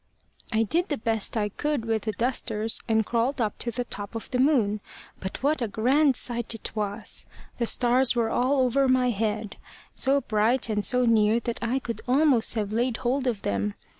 "I did the best I could with the dusters, and crawled up to the top of the moon. But what a grand sight it was! The stars were all over my head, so bright and so near that I could almost have laid hold of them.